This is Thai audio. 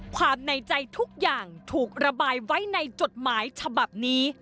ความในใจทุกอย่างถูกระบายไว้ในจดหมายฉบับนี้